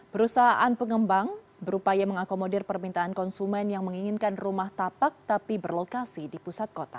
perusahaan pengembang berupaya mengakomodir permintaan konsumen yang menginginkan rumah tapak tapi berlokasi di pusat kota